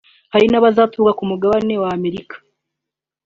hari n’abazaturuka ku mugabane wa Amerika